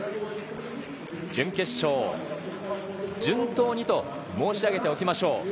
準決勝、順当にと申し上げておきましょう。